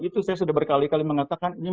itu saya sudah berkali kali mengatakan ini